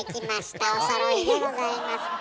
おそろいでございます。